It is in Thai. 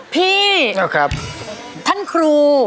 พี่ท่านครู